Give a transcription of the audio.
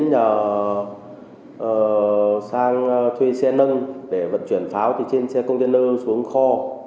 tôi đã sang thuê xe nâng để vận chuyển pháo trên xe container xuống kho